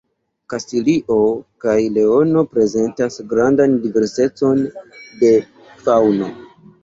Kastilio kaj Leono prezentas grandan diversecon de faŭno.